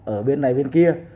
ở bên này bên kia